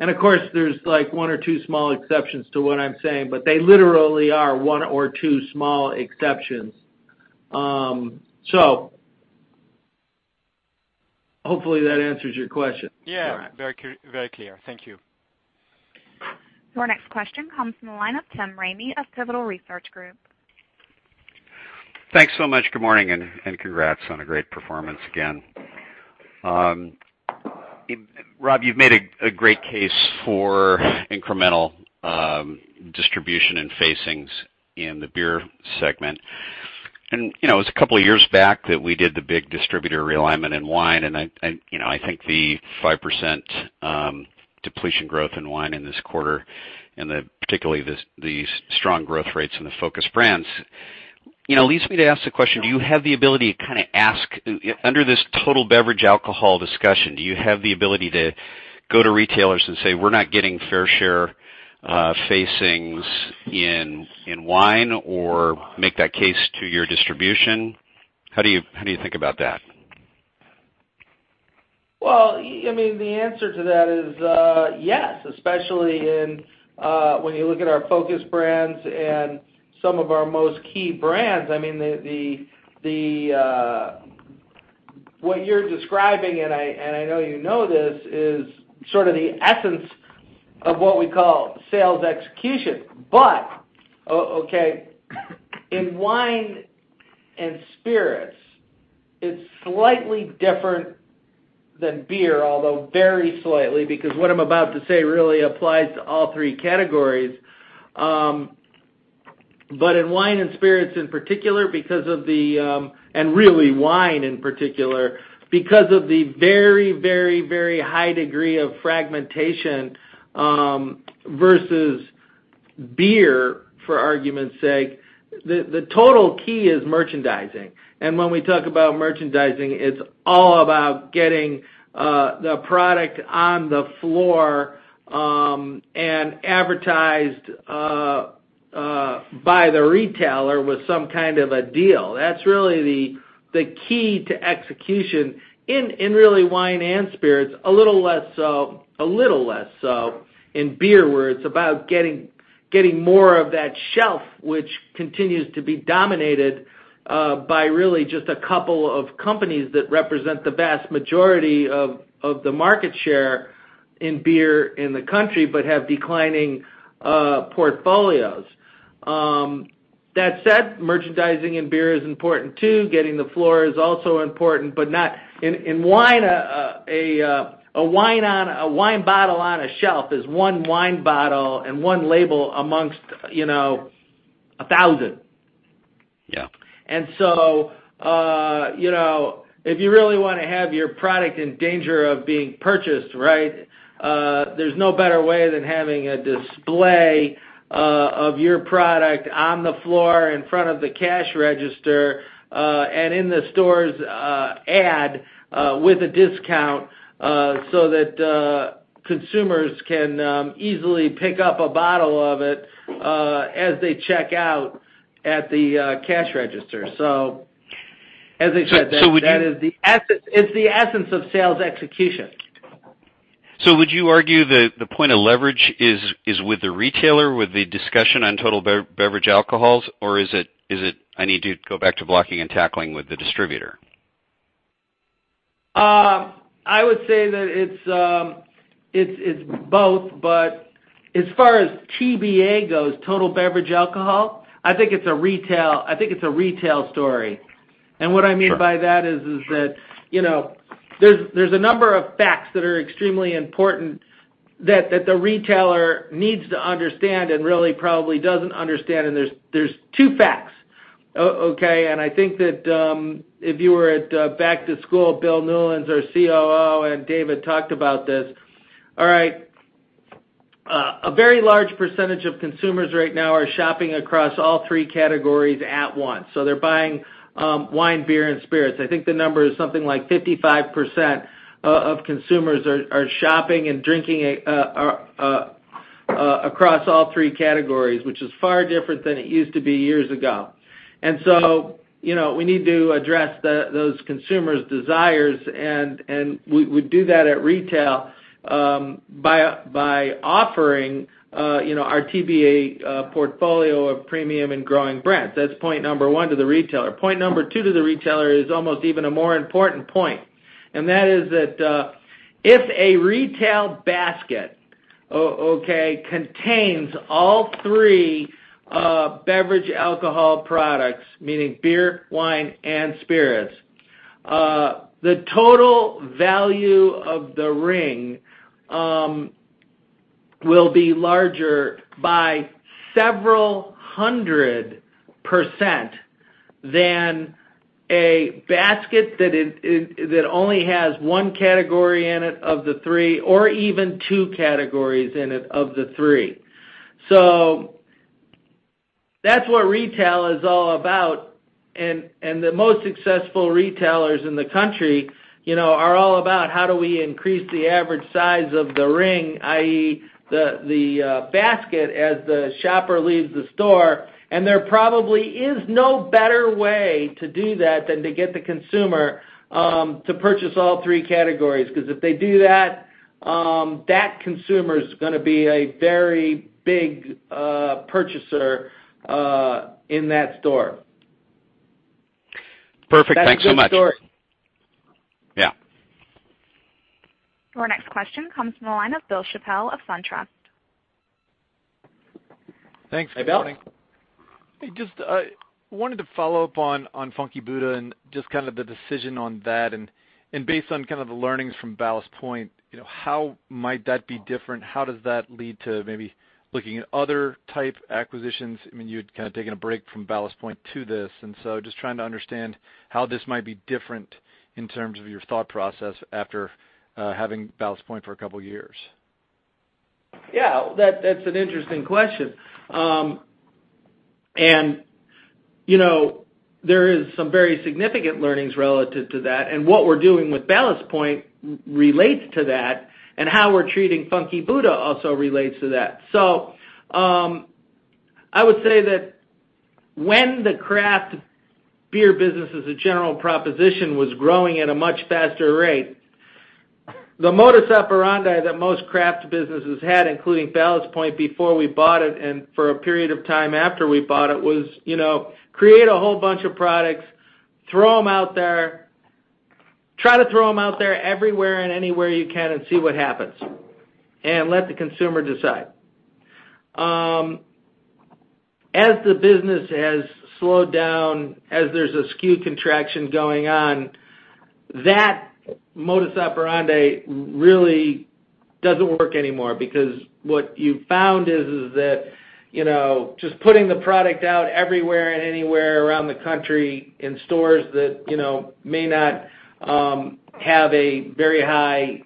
Of course, there's one or two small exceptions to what I'm saying, but they literally are one or two small exceptions. Hopefully that answers your question. Very clear. Thank you. Your next question comes from the line of Tim Ramey of Pivotal Research Group. Thanks so much. Good morning. Congrats on a great performance again. Rob, you've made a great case for incremental distribution and facings in the beer segment. It was a couple of years back that we did the big distributor realignment in wine, and I think the 5% depletion growth in wine in this quarter, and particularly the strong growth rates in the focus brands, leads me to ask the question, under this total beverage alcohol discussion, do you have the ability to go to retailers and say, "We're not getting fair share facings in wine," or make that case to your distribution? How do you think about that? Well, the answer to that is yes, especially when you look at our focus brands and some of our most key brands. What you're describing, and I know you know this, is sort of the essence of what we call sales execution. Okay, in wine and spirits, it's slightly different than beer, although very slightly, because what I'm about to say really applies to all three categories. In wine and spirits in particular, and really wine in particular, because of the very high degree of fragmentation versus beer, for argument's sake, the total key is merchandising. When we talk about merchandising, it's all about getting the product on the floor and advertised by the retailer with some kind of a deal. That's really the key to execution in really wine and spirits. A little less so in beer, where it's about getting more of that shelf, which continues to be dominated by really just a couple of companies that represent the vast majority of the market share. In beer in the country, have declining portfolios. That said, merchandising in beer is important too. Getting the floor is also important, but not. In wine, a wine bottle on a shelf is one wine bottle and one label amongst 1,000. Yeah. If you really want to have your product in danger of being purchased, right, there's no better way than having a display of your product on the floor in front of the cash register, and in the store's ad, with a discount, so that consumers can easily pick up a bottle of it as they check out at the cash register. As I said, that is the essence of sales execution. Would you argue the point of leverage is with the retailer, with the discussion on total beverage alcohol, or is it, I need to go back to blocking and tackling with the distributor? I would say that it's both, as far as TBA goes, total beverage alcohol, I think it's a retail story. Sure. What I mean by that is, there's a number of facts that are extremely important that the retailer needs to understand and really probably doesn't understand, and there's two facts, okay. I think that if you were at Back to School, Bill Newlands, our COO, and David talked about this. All right. A very large percentage of consumers right now are shopping across all three categories at once. They're buying wine, beer, and spirits. I think the number is something like 55% of consumers are shopping and drinking across all three categories, which is far different than it used to be years ago. We need to address those consumers' desires, and we do that at retail, by offering our TBA portfolio of premium and growing brands. That's point number 1 to the retailer. Point number 2 to the retailer is almost even a more important point, that is that if a retail basket, okay, contains all three beverage alcohol products, meaning beer, wine, and spirits, the total value of the ring, will be larger by several hundred percent than a basket that only has one category in it of the three, or even two categories in it of the three. That's what retail is all about, the most successful retailers in the country are all about how do we increase the average size of the ring, i.e., the basket, as the shopper leaves the store, there probably is no better way to do that than to get the consumer to purchase all three categories, because if they do that consumer's going to be a very big purchaser in that store. Perfect. Thanks so much. That's a good story. Yeah. Our next question comes from the line of Bill Chappell of SunTrust. Thanks, good morning. Hey, Bill. Just wanted to follow up on Funky Buddha and just kind of the decision on that. Based on kind of the learnings from Ballast Point, how might that be different? How does that lead to maybe looking at other type acquisitions? You had kind of taken a break from Ballast Point to this, just trying to understand how this might be different in terms of your thought process after having Ballast Point for a couple of years. Yeah, that's an interesting question. There is some very significant learnings relative to that. What we're doing with Ballast Point relates to that. How we're treating Funky Buddha also relates to that. I would say that when the craft beer business as a general proposition was growing at a much faster rate, the modus operandi that most craft businesses had, including Ballast Point before we bought it and for a period of time after we bought it was, create a whole bunch of products, throw them out there, try to throw them out there everywhere and anywhere you can and see what happens, let the consumer decide. As the business has slowed down, as there's a SKU contraction going on, that modus operandi really doesn't work anymore because what you found is that, just putting the product out everywhere and anywhere around the country in stores that may not have a very high,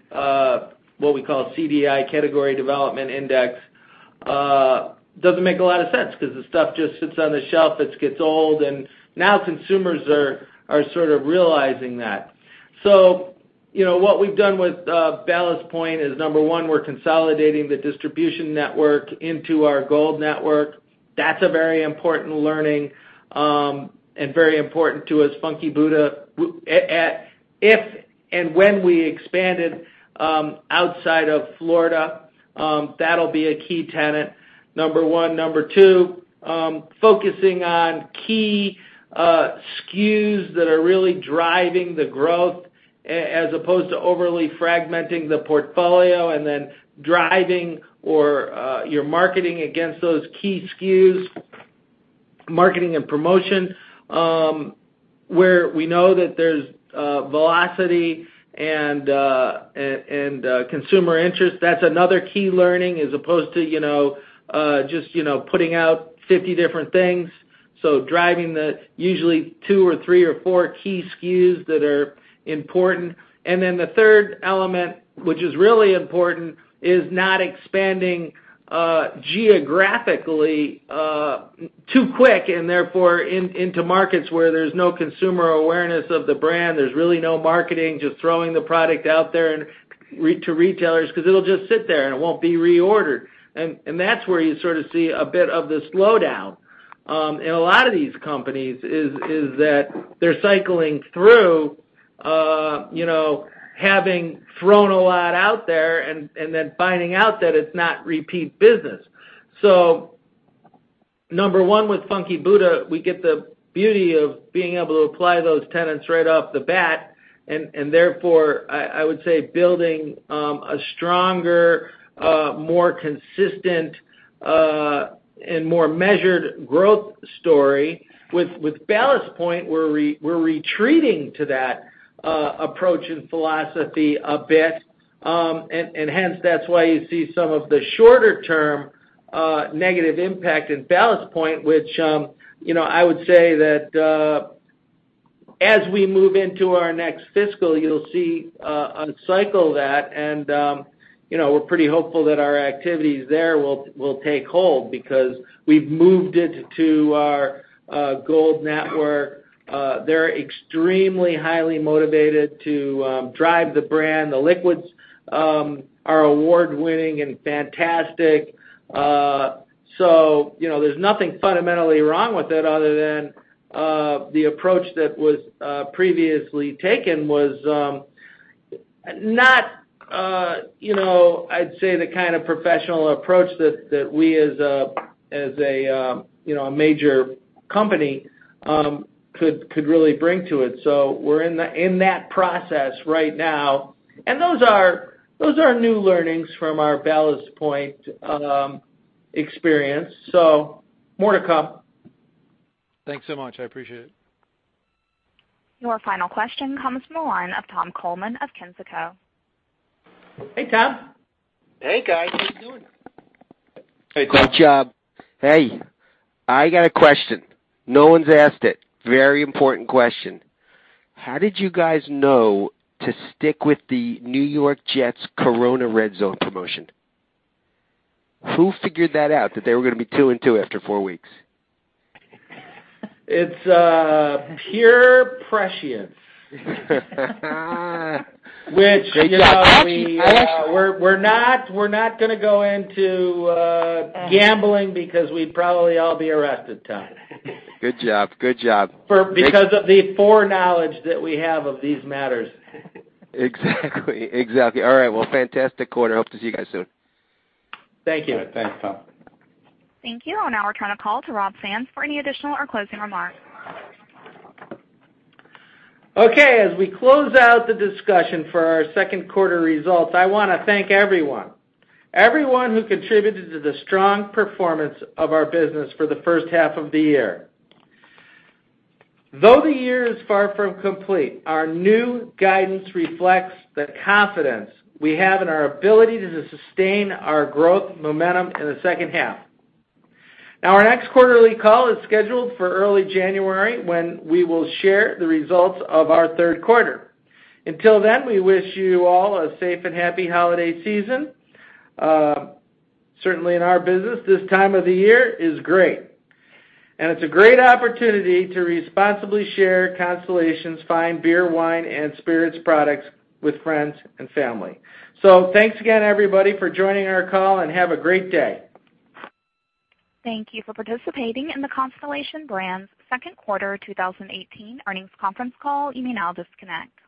what we call CDI, category development index, doesn't make a lot of sense because the stuff just sits on the shelf, it gets old, now consumers are sort of realizing that. What we've done with Ballast Point is, number one, we're consolidating the distribution network into our Gold Network. That's a very important learning, very important to us, Funky Buddha. If and when we expanded outside of Florida, that'll be a key tenet, number one. Number two, focusing on key SKUs that are really driving the growth as opposed to overly fragmenting the portfolio and then driving your marketing against those key SKUs, marketing and promotion, where we know that there's velocity and consumer interest. That's another key learning as opposed to just putting out 50 different things. Driving the usually two or three or four key SKUs that are important. The third element, which is really important, is not expanding geographically too quick, and therefore into markets where there's no consumer awareness of the brand, there's really no marketing, just throwing the product out there to retailers, because it'll just sit there and it won't be reordered. That's where you sort of see a bit of the slowdown in a lot of these companies is that they're cycling through having thrown a lot out there and then finding out that it's not repeat business. Number one with Funky Buddha, we get the beauty of being able to apply those tenets right off the bat, and therefore, I would say building a stronger, more consistent, and more measured growth story. With Ballast Point, we're retreating to that approach and philosophy a bit, and hence that's why you see some of the shorter-term negative impact in Ballast Point, which I would say that as we move into our next fiscal, you'll see uncycle that and we're pretty hopeful that our activities there will take hold because we've moved into our Gold Network. They're extremely highly motivated to drive the brand. The liquids are award-winning and fantastic. There's nothing fundamentally wrong with it other than the approach that was previously taken was not, I'd say, the kind of professional approach that we as a major company could really bring to it. We're in that process right now. Those are new learnings from our Ballast Point experience. More to come. Thanks so much. I appreciate it. Your final question comes from the line of Tom Coleman of Kensico. Hey, Tom. Hey, guys. How you doing? Hey, Tom. Great job. Hey, I got a question. No one's asked it. Very important question. How did you guys know to stick with the New York Jets Corona Red Zone promotion? Who figured that out that they were going to be two and two after four weeks? It's pure prescience. Great job. We're not going to go into gambling because we'd probably all be arrested, Tom. Good job. Because of the foreknowledge that we have of these matters. Exactly. All right. Well, fantastic quarter. Hope to see you guys soon. Thank you. Thanks, Tom. Thank you. We're turning the call to Rob Sands for any additional or closing remarks. Okay. As we close out the discussion for our second quarter results, I want to thank everyone. Everyone who contributed to the strong performance of our business for the first half of the year. Though the year is far from complete, our new guidance reflects the confidence we have in our ability to sustain our growth momentum in the second half. Our next quarterly call is scheduled for early January when we will share the results of our third quarter. Until then, we wish you all a safe and happy holiday season. Certainly in our business, this time of the year is great. It's a great opportunity to responsibly share Constellation's fine beer, wine, and spirits products with friends and family. Thanks again, everybody, for joining our call, and have a great day. Thank you for participating in the Constellation Brands second quarter 2018 earnings conference call. You may now disconnect.